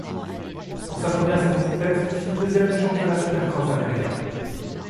Pour sa première saison complète, il finit deuxième du championnat supercross américain.